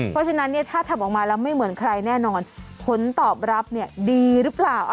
เพราะฉะนั้นถ้าทำออกมาแล้วไม่เหมือนใครแน่นอนผลตอบรับดีหรือเปล่า